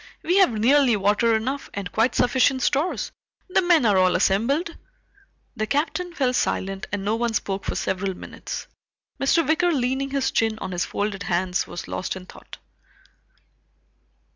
"We have nearly water enough, and quite sufficient stores. The men are all assembled." The Captain fell silent and no one spoke for several minutes. Mr. Wicker leaning his chin on his folded hands was lost in thought.